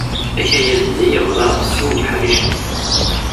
Akayad-nni yebḍa ɣef sin n yiḥricen.